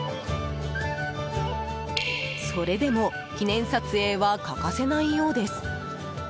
それでも記念撮影は欠かせないようです。